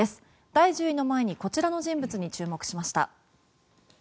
第１０位の前にこちらの人物に注目しました。